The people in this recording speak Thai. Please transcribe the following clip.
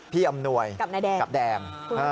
พี่อำนวยกับนายแดง